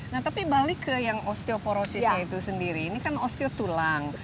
nah tapi balik ke yang osteoporosisnya itu sendiri ini kan osteotulang